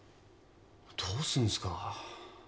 どうすんすか？